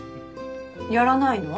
やらないの？